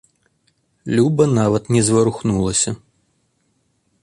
Люба нават не зварухнулася.